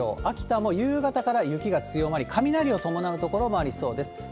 秋田も夕方から雪が強まり、雷を伴う所もありそうです。